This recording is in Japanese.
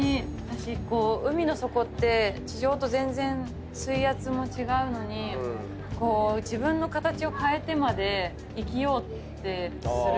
海の底って地上と全然水圧も違うのにこう自分の形を変えてまで生きようってする。